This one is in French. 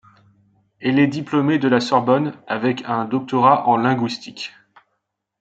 Elle est diplômée de la Sorbonne, avec un doctorat en linguistique.